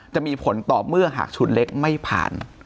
จะมีผลต่อเมื่อหากชุดเล็กไม่ผ่าน